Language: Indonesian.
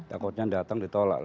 takutnya datang ditolak